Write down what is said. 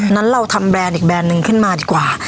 งั้นเราทำแบรนด์อีกแบรนด์หนึ่งขึ้นมาดีกว่า